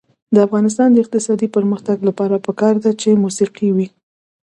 د افغانستان د اقتصادي پرمختګ لپاره پکار ده چې موسیقي وي.